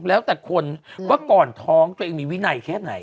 แล้วแต่คนว่าก่อนท้องตัวเองมีวินัยแค่ไหน